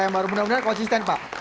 yang baru benar benar konsisten pak